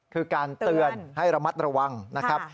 คือการเตือนให้ระมัดระวังนะครับ